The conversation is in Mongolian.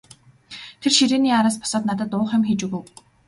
Тэр ширээний араас босоод надад уух юм хийж өгөв.